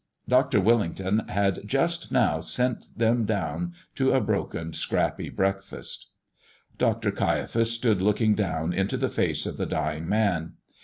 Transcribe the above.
Dr. Willington had just now sent them down to a broken, scrappy breakfast. Dr. Caiaphas stood looking down into the face of the dying man.